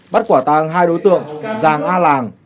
bắt quả tăng hai đối tượng giàng a làng